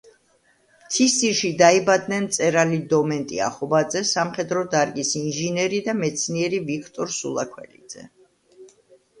მთისძირში დაიბადნენ მწერალი დომენტი ახობაძე, სამხედრო დარგის ინჟინერი და მეცნიერი ვიქტორ სულაქველიძე.